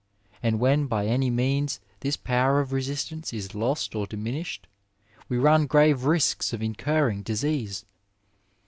And when by any means this power of resistance is lost or diminished, we run grave risks of^ incurring disease.